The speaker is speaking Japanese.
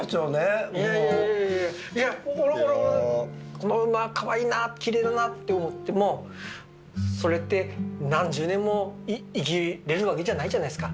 この馬かわいいなきれいだなって思ってもそれって何十年も生きれるわけじゃないじゃないすか。